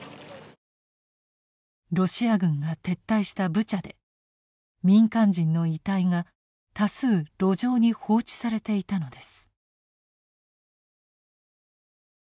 ロシア軍が撤退したブチャで民間人の遺体が多数路上に放置されていたのです。